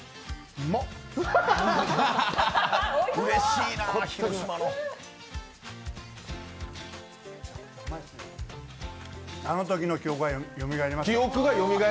うまい、あのときの記憶がよみがえりました。